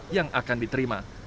yang akan diterima